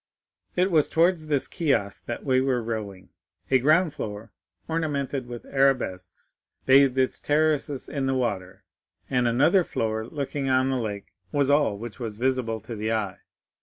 "It was towards this kiosk that we were rowing. A ground floor, ornamented with arabesques, bathing its terraces in the water, and another floor, looking on the lake, was all which was visible to the eye.